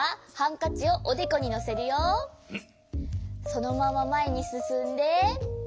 そのまままえにすすんで。